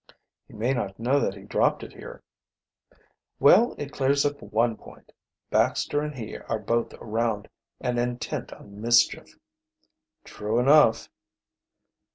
"He may not know that he dropped it here." "Well, it clears up one point. Baxter and he are both around, and intent on mischief." "True enough."